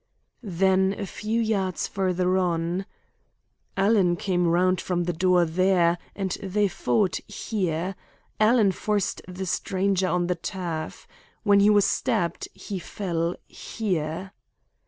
Then a few yards farther on: "Alan came round from the door there, and they fought here. Alan forced the stranger on to the turf. When he was stabbed he fell here."